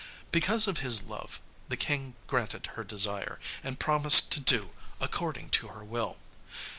Because of his love the King granted her desire, and promised to do according to her will.